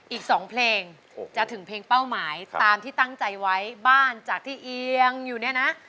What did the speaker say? อีก๒เพลงจะถึงเพลงเป้าหมายตามที่ตั้งใจไว้บ้านจากที่เอียงอยู่เนี่ยนะ